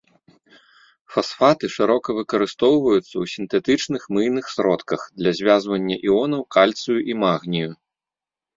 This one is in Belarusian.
Фасфаты шырока выкарыстоўваюцца ў сінтэтычных мыйных сродках для звязвання іонаў кальцыю і магнію.